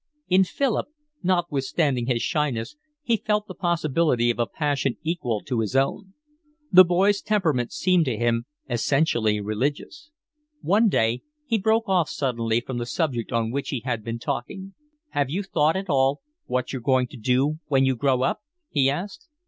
In Philip, notwithstanding his shyness, he felt the possibility of a passion equal to his own. The boy's temperament seemed to him essentially religious. One day he broke off suddenly from the subject on which he had been talking. "Have you thought at all what you're going to be when you grow up?" he asked.